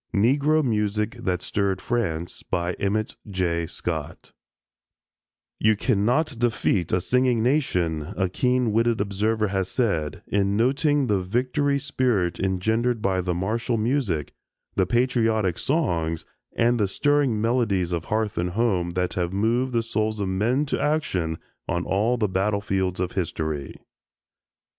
NEGRO MUSIC THAT STIRRED FRANCE EMMETT J. SCOTT "You cannot defeat a singing nation," a keen witted observer has said, in noting the victory spirit engendered by the martial music, the patriotic songs and the stirring melodies of hearth and home that have moved the souls of men to action on all the battlefields of history.